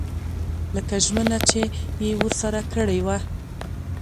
لکه ژمنه چې یې ورسره کړې وه.